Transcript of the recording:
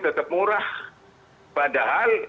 tetap murah padahal